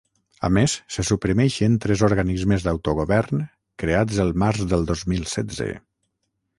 A més, se suprimeixen tres organismes d’autogovern creats el març del dos mil setze.